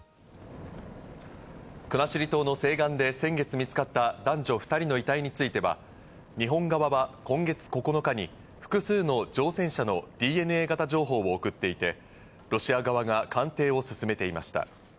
国後島の西岸で先月、見つかった男女２人の遺体については、日本側は今月９日に複数の乗船者のＤＮＡ型情報を送っていて、ロシア側が鑑定を進めていました。